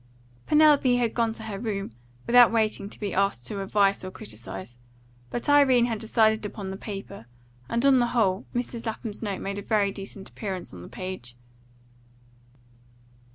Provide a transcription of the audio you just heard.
Penelope had gone to her room, without waiting to be asked to advise or criticise; but Irene had decided upon the paper, and on the whole, Mrs. Lapham's note made a very decent appearance on the page.